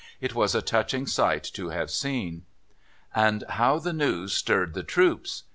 It was a touching sight to have seen. And how the news stirred the troops!